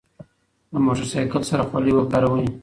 له موټر سایکل سره خولۍ وکاروئ.